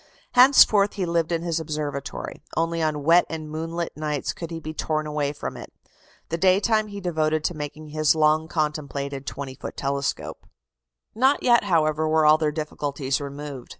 Henceforth he lived in his observatory; only on wet and moonlight nights could he be torn away from it. The day time he devoted to making his long contemplated 20 foot telescope. Not yet, however, were all their difficulties removed.